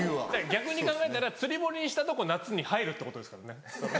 逆に考えたら釣り堀にしたとこ夏に入るってことですからね。